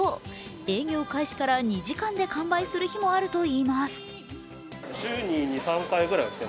営業開始から２時間で完売する日もあるといいます。